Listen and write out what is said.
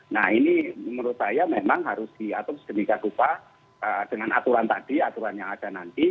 nah ini menurut saya memang harus diatur sedemikian rupa dengan aturan tadi aturan yang ada nanti